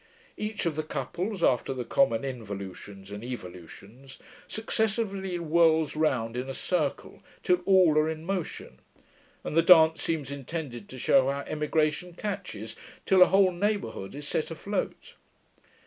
Each of the couples, after the common involutions and evolutions, successively whirls round in a circle, till all are in motion; and the dance seems intended to shew how emigration catches, till a whole neighbourhood is set afloat.